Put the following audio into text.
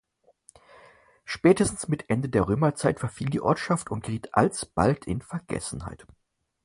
Spätestens mit dem Ende der Römerzeit verfiel die Ortschaft und geriet alsbald in Vergessenheit.